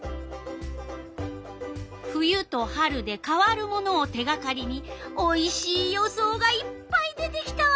冬と春で変わるものを手がかりにおいしい予想がいっぱい出てきたわ。